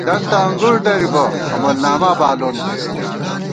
دنتہ انگُڑ دریبہ ، عمل ناما بالون بہ